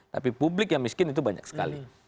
tapi publik yang miskin itu banyak sekali